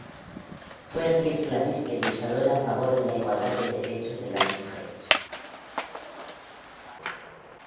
Fue antiesclavista y luchadora a favor de la igualdad de derechos de las mujeres.